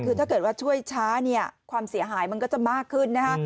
คือถ้าเกิดว่าช่วยช้าเนี่ยความเสียหายมันก็จะมากขึ้นนะฮะ